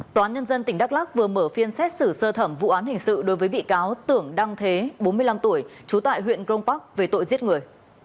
tòa nhân dân tỉnh đắk lắc vừa mở phiên xét xử sơ thẩm vụ án hình sự đối với bị cáo tưởng đăng thế bốn mươi năm tuổi trú tại huyện grong park về tội giết người